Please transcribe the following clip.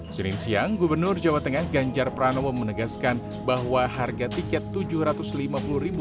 senin siang gubernur jawa tengah ganjar pranowo menegaskan bahwa harga tiket rp tujuh ratus lima puluh